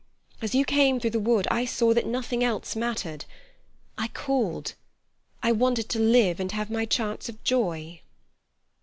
As you came through the wood I saw that nothing else mattered. I called. I wanted to live and have my chance of joy."